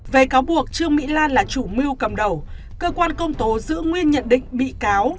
về cáo buộc trương mỹ lan là chủ mưu cầm đầu cơ quan công tố giữ nguyên nhận định bị cáo